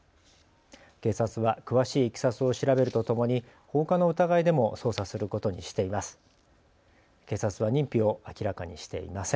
警察は詳しいいきさつを調べるとともに放火の疑いでも捜査することにしています。